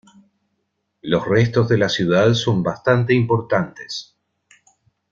Los restos de la ciudad son bastante importantes.